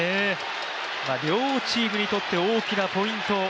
両チームにとって大きなポイント。